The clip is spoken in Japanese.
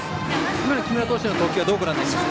今の木村投手のピッチングどうご覧になりますか？